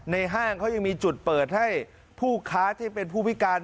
ห้างเขายังมีจุดเปิดให้ผู้ค้าที่เป็นผู้พิการ